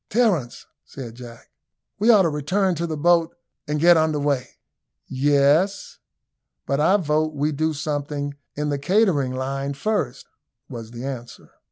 "Terence," said Jack, "we ought to return to the boat, and get under weigh." "Yes; but I vote we do something in the catering line first," was the answer.